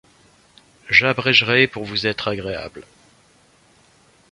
J’abrégerai pour vous être agréable.